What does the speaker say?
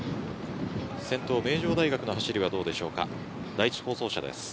先頭、名城大学の走るはどうですか。